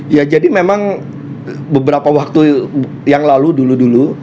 ya jadi memang beberapa waktu yang lalu dulu dulu